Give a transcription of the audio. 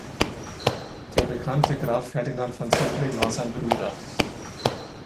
Der bekannte Graf Ferdinand von Zeppelin war sein Bruder.